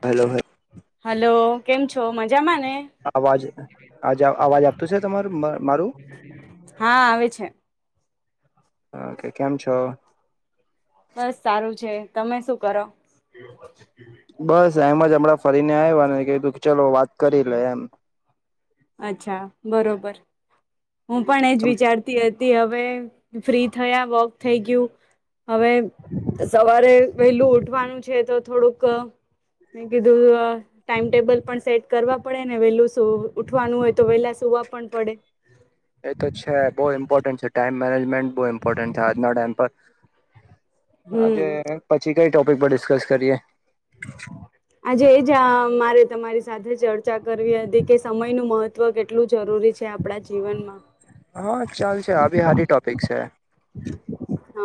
Hello હ hello કેમ છો મ અવાજ આજ અવાજ આપતું છે તમારું મારું હા આવે છે હ કે કેમ છો બસ સારું છે તમે શું કરો બસ એમ જ હમણાં ફરીને આવ્યા ને કધું કે ચલો વાત કરી લે એમ અચ્છા બરોબર હું પણ એજ વિચારતી હતી હવે હવે ફ્રી થયા વોક થઈ ગયું હવે સવારે વહેલું ઉઠવાનું છે તો થોડુંક કીધું ટાઈમટેબલ પણ સેટ કરવા પડે ને વેલું શું ઉઠવાનું હોય તો વેલા શ જોવા પણ પડે. એ તો છે બહુ ઇમ્પોર્ટન્ટ છે ટાઈમ મેનેજમેન્ટ બહુ ઇમ્પોર્ટન્ટ છે આજના ટાઈમ પર હમ આજે પછી કઈ ટોપિક પર ડિસ્કસ કરીએ આજે એ જ મારે તમારી સાથે ચર્ચા કરવી હતી કે સમયનું મહત્વ કેટલું જરૂરી છે આપડા જીવનમાં હા ચાલ છે આ બી હારી ટોપિક છે હા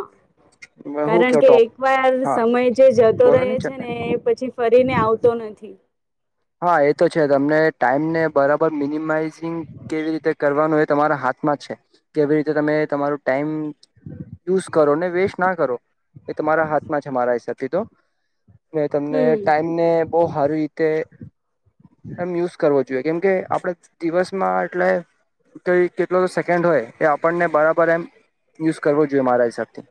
હું કારણ કયો કે ટોપ એકવાર હા સમય જે જતો બોલો રહે છે ચાલે ને એ પછી ફરી કરીને આવતો નથી હા એ તો છે તમને ટાઈમને બરાબર મિનિમાઈઝિંગ કેવી રીતે કરવાનું એ તમારા હાથમાં છે કેવી રીતે તમે તમારું ટાઈમ યુઝ કરો ને વેસ્ટ ના કરો એ તમારા હાથમાં છે મારા હિસાબથી તો મે તમને હમ ટાઈમ ને બહુ સારી રીતે એમ યુઝ કરવો જોઈએ કેમ કે આપડ દિવસમાં એટલે કઈ કેટલો સન્ હોય એ આપણને બરાબર એમ યુઝ કરવો જોઈએ મારા હિસાબથી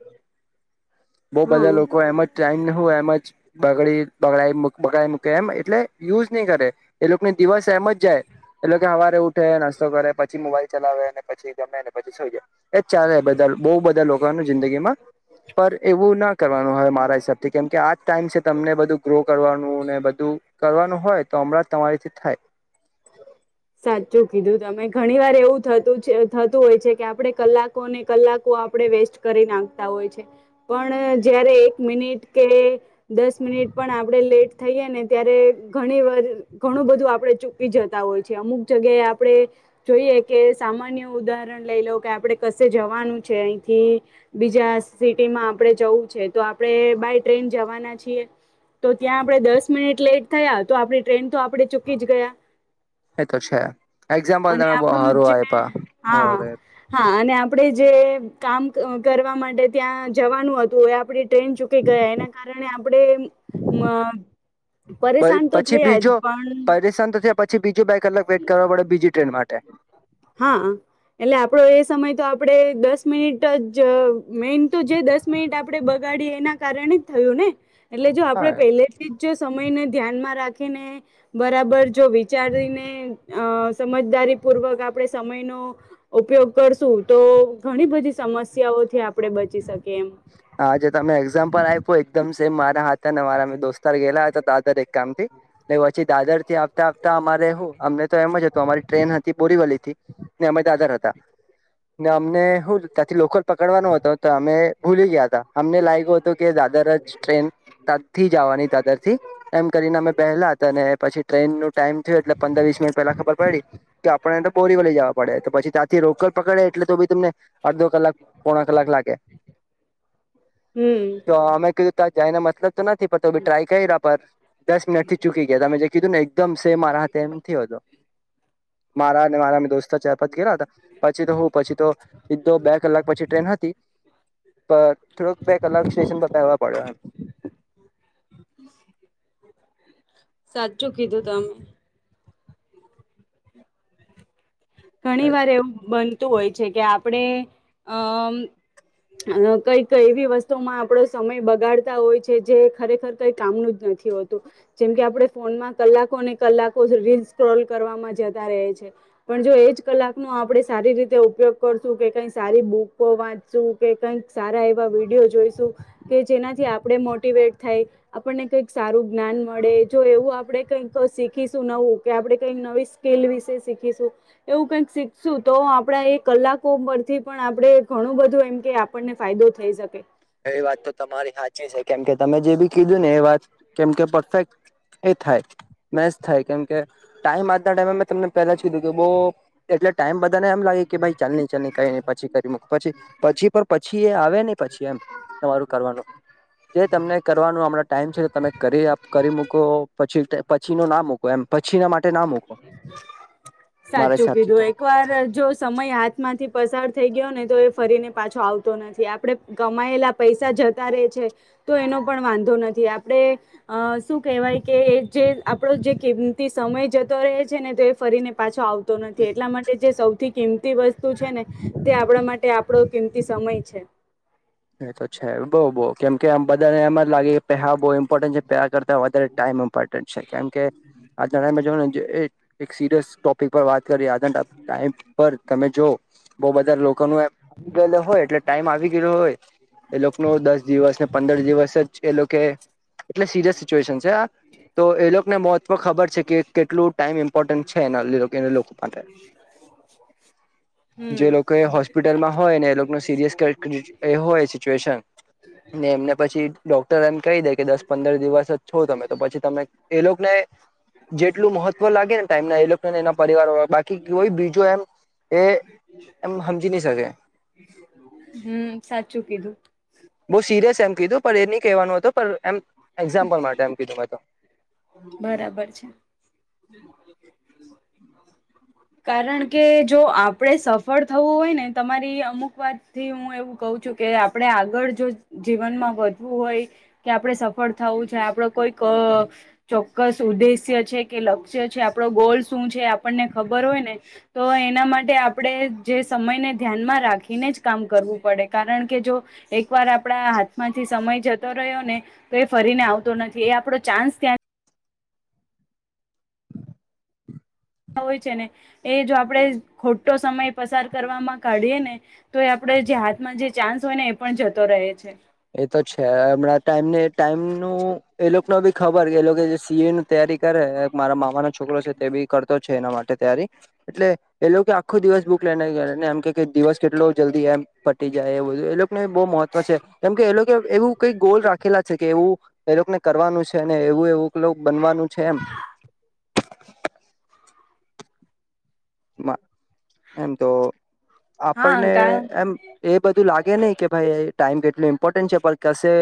બઉ બધા હા. લોકો એમ જ ટાઈમ ન હો એમ જ બગડી બગડ બગડ મૂકે એમ એટલે યુઝ નહી કરે એ લોકોને દિવસ એમ જ જાય એટલે કે સવારે ઉઠે નાસ્તો કરે પછી મોબાઈલ ચલાવે પછી ગમે ને પછી સઈ જાય એજ ચાલે બધા બહુ બધા લોકોનું જિંદગી માં પણ એવું ના કરવાનું મારા હિસાબથી કેમ કે આજ ટાઈમ છે તમને બધું ગ્રો કરવાનું ને બધું કરવાનું હોય તો હમણાં તમારીથી થાય સાચું કીધું તમે ઘણી વાર એવું થતું થતું હોય છે કે આપડે કલાકોને કલાકો આપ વેસ્ટ કરી નાખતા હોય છે પણ જય્યારે એક મિનિટ કે દસ મિનિટ પણ આપણે લેટ થઈએ ને ત્યારે ઘણી વાર ઘણું બધું આપડે ચૂકી જતા હોય અમુક જગ્યાએ આપણે જોઈએ કે સામાન્ય ઉદાહરણ લઈ લવ કે આપણે કશે જવાનું છે અહીથી બીજા સિટીમાં આપણેે જવું છે તો આપણેે બાય ટ્રેન જવાના છીએ તો ત્યાં આપણે દસ મિનિટ લેટ થયા તો આપણી ટ્રેન તો આપણે ચૂકી જ ગયા એ તો છે એક્ઝામ્પલ અને તમે બહુ આપડું સારું જે આપ્યા હા અરે હા અને આપણે જે કામ કરવા માટે ત્યાં જવાનું હતું એ આપણે ટ્રેન ચૂકી ગયા એના કારણે આપણે પરેશાન તો પછી થયા બીજો જ પણ પરેશાન તો થયા પછી બીજો બે કલાક વેઇટ કરવા પડે બીજી ટ્રેન માટે હા એટલે આપડો એ સમય તો આપણેે દસ મિનિટ જ મેન તો જે દસ મિનિટ આપડે બગાડ બગાડી એના કારણે જ થયું ને એટલે જો આપે હા પહેલેથી જ જો સમય ધ્યાનમાં રાખીને બરાબર જો વિચારીને સમજદારીપૂર્વક આપ આપણે સમયનો ઉપયોગ કરશું તો ઘણી બધી સમસ્યાઓથી આપણે બચી શકીએ એમ હાજ તમે એક્ઝામ્પલ આપ્યો એકદમ મારા હતાને મારા મેં દોસ્તાર ગેલા હતા દાદર એક કામ થી પછી દાદર થી આવતા આવતા અમારા રહું અમને તો એમ જ હતું અમારી ટ્રેન હતી બોરીવલી થી ને અમામે દાદર હતા ને અમને હું ત્યાંથી લોકલ પકડવાનો હતો તો અમે ભૂલી ગયા તા અમને લાગ્યું હતું કે દાદર જ ટ્રેન તા થી જવાની દાદર થી એમ કરીને અમે પહેલા હતા અને પછી ટ્રેનનું ટાઈમ થયયો એટલે પંદર વીસ મિનટ પલા ખબર પડી કે આપડણે તો બોરી વલી જવા પડે તો પછી ત્યાંથી રોકડ પકડે એટલે તો ભી તમને અડધો કલાક પોણા કલાક લાગે હમ [unintelligible] તો અમે કીધું ત્યા જાય ના મતલબ તો નથી પાડતો ટ્રાય કર રહ્યા પર દસ મિટથી ચુકી ગયા તા તમેં જે કીધું ને એકદમ સે મારાથે એમ થયો હતો. મારા અને મારા મે દોસ્ત ચારપાંચ ગેયેલા હતા પછી તો હું પછી તો એક બે કલાક પછી ટ્રેન હથી [inaudible] પર થોડોક બે કલાક સ્ટેશન પર કાઢવા પડ્યા [unintelligible] સાચું કીધું તમે ઘણી એમ વાર એવું બનતું હોય છે કે આપણે અઅમ અ કઈક એવી વસ્તુમાં આપડો સમય બગાડતા હોય છે જે ખરેખર કઈ કામનું જ નથી હોતુ જેમ કે આપણે ફોનમાં કલાકોને કલાકો રીલ સ્ક્રોલ કરવામાં જતા રહે છે. પણ જો એ જ કલાકો નો આપણે સારી રીતે ઉપયોગ કરશું કે કઈ સારી બુકો વાંચશું કે કંઈક સારા એવા વિડીયો જોઈશું કે જેનાથી આપણે મોટીવેટ થાય આપણને કઈક સારું જ્ઞાન મળે જો એવું આપણે કઈક તો શીખીશું નવું કે આપણે કઈક નવી સ્કીલ વિશે શીખીશું એવું કઈક શીખશું તો આપડા એ કલાકો પરથી પણ આપડે ઘણું બધું એમ કે આપણને ફાયદો થઈ શકે. એ વાત તો તમારી હાચી છે કેમ કે તમે જે બી કીધું ને એ વાત કેમકે પરફેક્ટ એ થાય મેચ થાય કેમ કે ટાઈમ આજના ટાઈમે મેં તમને પહેલા જ કીધું કે બઉ એટલે ટાઈમ બત તને એમ લાગે કે ભાઈ ચાલ નહી ચાલ ન કઈ નઇ પછી કરી મૂક પછી પછી પછી એ આવે નને પછી એમ તમારું કરવાનું જે તમને કરવાનું હમણા ટાઈમ છે તો તમે કરી મૂકો પછી પછી ન ના મૂકો એમ પછી ના માટે ના મૂકો મારા સાચું હિસાબથી કીધું તો એક વાર જો સમય હાથ માંથી પસાર થઈ ગયો ને તો એ ફરીને પાછો આવતો નથી આપડણે કમાયેલા પૈસા જતા રે છે. તો એનો પણ વાંધો નથી આપણે અ શું કહેવાય કે જે આપણો જે કિંમતી સમય જતો રહે છે ને તો એ ફરીને પાછો આવતો નથી એટલા માટે જે સૌથી કિંમતી વસ્તુ છે ને તે આપણા માટે આપડો કિંમતી સમ સમય છે. એ તો છે બઉ બહુ કેમ કે આમ બધાને એમ જ લાગે કે પેહા બહુ ઇમ્પોર્ટન્ટ છે પહા કરતા વધારે ટાઈમ ઇન્પોટેન્ટર છે કેમ કે આજ [unintelligible] એક સિરિયસ ટોપિક પર વાત કરી આ ટાઈમ પર તમે જ જો બઉુ બધા લોકો નુ એમ આવી ગયેલ હોય એટલે ટાઈમ આવી ગયલો એ લોકો નુ દસ દિવસ ને પંદર દિવસ જ એ લોકે એટલે સિરિયસ સિચ્યુએશન છે આ તો એ લોકોને મોતમાં ખબર છે કે કેટલું ટાઈમ એમ ઈમ્પોર્ટન્ટ છે [unintelligible] લોકો માટે, હમ જે લોકોએ હોસ્પિટલમાં હોય ને સિરયસ [unintelligible] એ હોય સિચ્યુએશન ને એમને પછી ડોક્ટર એમ કહી દે કે દસ પંદર દિવસ જ છો તમે તો પછી તમે એ લોકોને જેટલું મહત્વ લાગે ને ટાઈમ ના એ લોકોને એના પરિવારળ બાકી હોય કોઈ બીજું એમ એ એમ હમજી નહી શકે હમ સાચું કીધું. બઉ સિરિયસ એમ કીધું પણ એ નહી કહેવાનું હતું એમ એક્ઝામ્પલ માટે એમ કીધું મે તો બરાબર છે. કારણ કે જો આપડે સફળ થવું હોય ને તમારી અમુક વાત થી હું એવું કઉ છું કે આપણે આગળ જો જીવનમાં વધવું હોય કે આપડે સફળ થવું છે જોઈ આપડે કોઈક અ ચોક્કસ ઉદ્દેશ્ય છે, કે લક્ષ્ય છે, આપડો ગોલ શું છે. બર હોય ને તો એના માટે આપણે જે સમયને ધ્યાનમાં રાખીને જ કામ કરવું પડે. કારણ કે જો એક વાર આપણા હાથમાંથી સમય જતો રહ્યો ને તો એ ફરીને આવતો નથી. એ આપડો ચાન્સ ત્યાં હોય છે ને એ જો આપણેે ખોટો સમય પસાર કરવાવામાં કાઢીએ ને તો એ આપણે આપ જે હાથમાં જે ચાન્સ હોય ને એ પણ જતો રહે છે. એ તો છે હમણાં ટાઈમ ટાઈમનું એ લોકો ન બી ખબર કે એ લોકો જે સી એ ન તૈયારી કરે મારા મામા નો છોકરો છે તે બી કરતો છે એના માટે તૈયારી એટલે એ લોકો આખો દિવસ બુક લેને ગયાને એમ કે દિવસ કેટલો જલ્દી એમ પટી જાય એ બધું એ લોકોને બહુ મહત્વ છે. કેમ કે એ લોકો એવું કઈ ગોલ રાખેલા છે કે એવું એ લોકોને કરવાનું છે અને એવું એવું લો બનવાનું છે એમ. [inaudible] એમ તો હા આપણને કા એમ એ બધું લાગે નહ કે ભાઈ ટાઈમ કેટલું ઇમ્પોર્ટન્ટ છે પણ કશે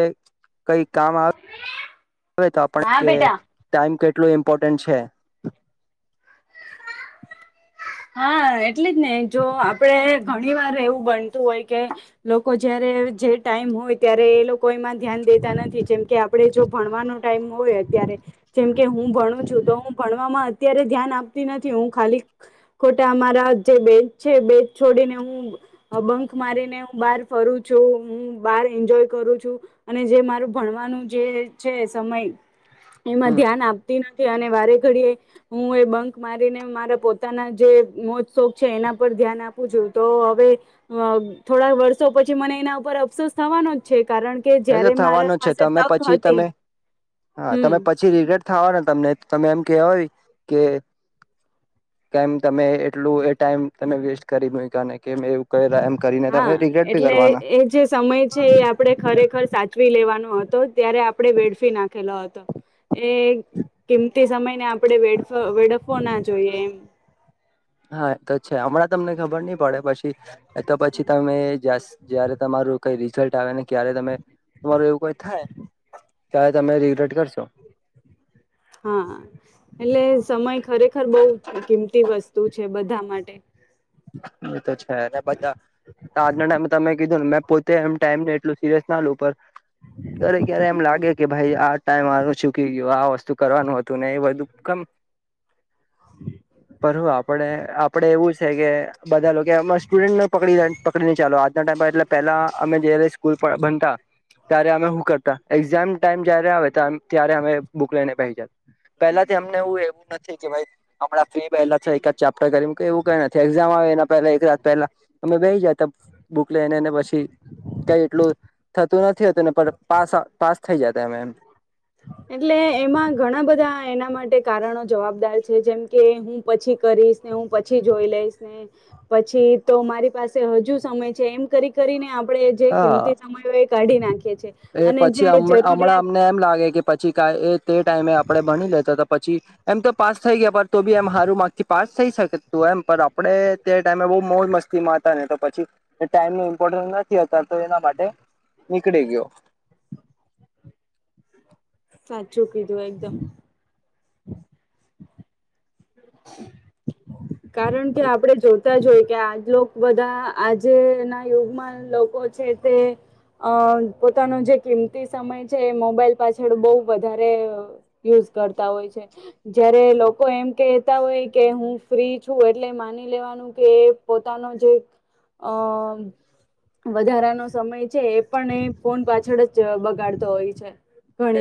કઈ કામ આવે આવે તો આપ હા કે બેટા ટાઈમ કે કેટલું ઇમ્પોર્ટન્ટ છે. હા એટલે જ ને જો આપડે ઘણી વાર એવું બનતું હોય કે લોકો જયારે જે ટાઈમ હોય ત્યારે એ લોકો એમાં ધ્યાન દેતા નથી જેમ કે આપડણે જો ભણવાનું ટાઈમ હોય અત્યારે જેમ કે હું ભણું છું તો હું ભણવામાંજ અત્યારે ધ્યાન આપતી નથી હું ખાલી ખોટા અમારા જે બેચ છે બેચ છોડીને હું બંક મારીને હું બાર ફરું છું. હું બાર એન્જોય કરું છું અને જે મારું ભણવાનું જે છે સમય એમાં હમ ધ્યાન આપતી નથી. અને વારે ઘડી એ હું એ બંક મારીને મારા પોતાના જે મોજ શોખ છે એના પર ધ્યાન આપું છું તો હવે થોડા વર્ષો પછી મને એના ઉપર અફસોસ થવાનો જ છે કારણ કે એ તો જયારે મારા થવાનો છે પાસે તમે તક પછી હતી તમે હા હમ તમે પછી રિગ્રેટ થ ને તમને તમે એમ કેવાય કે કેમ તમે એટલું એ ટાઈમ તમે વેસ્ટ કરી ન કે એવું કયરા હા એટલે એ જે સમય છે એ આપડે ખરેખર સાચ ચવી લેવાનો હતો ત્યારે આપણેે વેડફી નાખેલો હતો એ કિંમ તે સમય ને વેડફ આપડણેે વેડફવો ના જોઈએ એમ. હા એ તો છે હમણાં તમને ખબર નહી પડે પછી તો પછી તમે જયારે તમા કઈ રિઝલ્ટ આવેને ક્યારે તમે તમારું એવું કઈ થાય ત્યારે તમે રિગ્રેટ કરશો. હા એટલે સમય ખરેખર બહુ કિંમતી વસ્તુ છે બધા માટે. એ તો છે બધા આજના ટાઈમે તમે કીધું ને મે પોતે એમ ટાઈમને એટલું સિરિયસ ના લઉ પર ક્યારે ક્યારે એમ લાગે કે ભાઈ આ ટાઈમ આ ચૂકી ગયો આ વસ્તુ કરવાનું હતું ને એ બધું કેમ હ પર હું આપડે આપડે એવું છે કે બધા લોકો અ સ્ટુડન્ટને પક પકડીને ચાલો આજના ટાઈમ પર એટલે પેલા અમે જ્યારે સ્કૂલ પાર બનતા ત્યારે અમે કરતા એક્ઝામ ટાઈમ જયારે આવે ત્યારે અમે બુક લઈને પ પેલાથી અમને એવું એવું નથી કે ભાઈ હમણાં ફ્રી પહેલા છે એક જ ચેપ્ટર કરી કે એવું કઈ નથી. એક્ઝામ આવે એના પહેલા એક રાત પહેલા અમે બેહી જતા બુક લઈનેને પછી ક્યા એટલું થતું નથીતું ને પાસ થઈ જતા એમે એમ. એટલે એમાં ઘણા બધા એના માટે કારણો જવાબદાર છે જેમ કે હું પછી કરી [unintelligible] હું પછી જોઈ લઈશને પછી તો મારી પાસે હજુ સમય છે એમ કરી કરીને આપ આપણે જે હા કિંમતી સમય હોય એ કાઢી નાખી એ પછી હમણાં અમને એમ લાગે કે પછી ક એ તે ટાઈમે આપડે ભણી લેતા તો પછી એમ તો પાસ થઈ ગયા પર તો બી એમ સારું માર્ગથી પાસ થઈ શકે તું એમ પણ આપડે તે ટાઈમે બહુ મોજ મસ્તીમાં હતા ને તો પછી ટાઈમ ની ઇમ્પોર્ટન્સ નથી કરતો એના માટે નીકળી ગયો સાચું કીધું એકદમ કારણ કે આપડે જોતા જોયએ કે આજલો ક બધા આજે ના યુગમાં લોકો છે તે અ પોતાનો જે કિંમતી સમય છે એ મોબાઈલ પાછળ બઉ વધારે યુઝ કરતા હોય છે જયારે લોકો એમ કહેતા હોય કે હું ફ્રી છું એટલે માની લેવાનું કે પોતાનો જે અ વધારાનો સમય છે એ પણ એ ફોન પાછળ જ બગાડતો હોય છે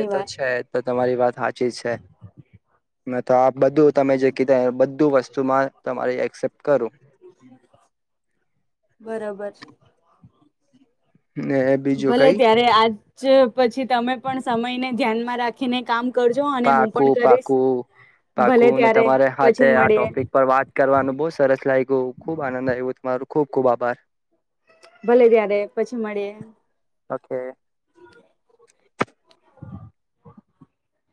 એ તો વાર છે તો તમારી વાત સાચી જ છે મેં તો આ બધું તમે જે કીધા બધું વસ્તુમાં તમારી એક્સેપ બરોબર ને બીજું ભલે કઈ ત્યારે આજ પછી તમે પણ સમયને ધ્યાનમાં રાખીને કામ કરજો અને હું પાકું પણ કરીશ પાકું ભલે પાકુને ત્યારે તમારે પછી હાથે આ મળીએ ટોપિક પર વાત કરવાનું બહુ સરસ લાગ્યું ખુબ આનંદ આવ્યું તમારું ખૂબ ખૂબ આભાર ભલે ત્યારે પછી મળીયે ઓકે